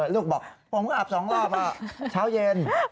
ลูกบอกผมก็อับ๒รอบเช้าเย็น